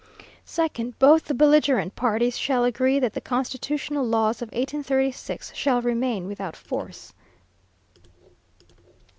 2nd. "Both the belligerent parties shall agree that the constitutional laws of 1836 shall remain without force.